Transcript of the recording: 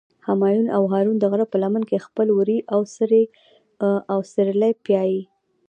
همایون او هارون د غره په لمن کې خپل وري او سرلي پیایی.